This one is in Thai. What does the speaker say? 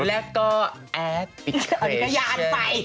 แล้วก็แอพพิเคชัน